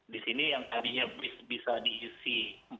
di sini yang tadinya bisa diisi empat puluh